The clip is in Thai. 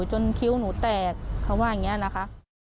คิ้วหนูแตกเขาว่าอย่างนี้นะคะ